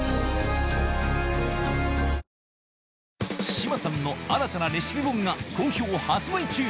志麻さんの新たなレシピ本が好評発売中！